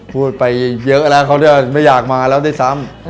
พูดไปเยอะแล้วเขาจะไม่อยากมาแล้วได้ซ้ำ